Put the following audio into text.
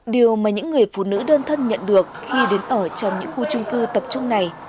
điều mà những người phụ nữ đơn thân nhận được khi đến ở trong những khu trung cư tập trung này